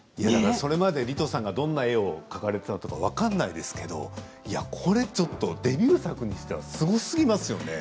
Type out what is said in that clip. それまでリトさんがどんな絵を描かれていたのか分からないですけどこれはちょっとデビュー作にしてはすごすぎますよね。